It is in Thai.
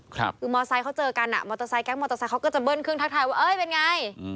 คือมอเตอร์ไซต์เขาเจอกันมอเตอร์ไซต์แก๊กมอเตอร์ไซต์เขาก็จะเบิ้ลเครื่องทักทายว่าเป็นไง